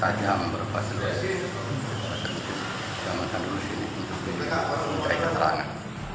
diamankan dosis ini untuk mereka untuk mencari keterangan